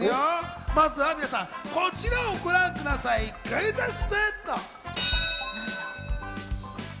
まずは皆さん、こちらをご覧ください、クイズッス！